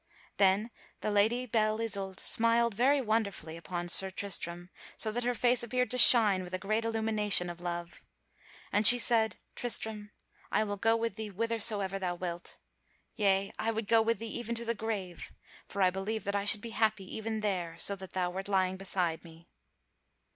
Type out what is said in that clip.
Then the Lady Belle Isoult smiled very wonderfully upon Sir Tristram so that her face appeared to shine with a great illumination of love. And she said: "Tristram, I will go with thee whithersoever thou wilt. Yea, I would go with thee even to the grave, for I believe that I should be happy even there, so that thou wert lying beside me."